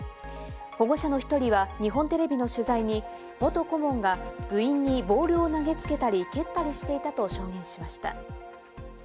保護者の１人は日本テレビの取材に元顧問が部員にボールを投げつけたり蹴ったりしていたと証言しました。